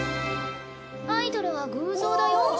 星野アイ：アイドルは偶像だよ。